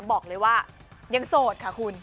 บอกเลยว่ายังโสดค่ะคุณ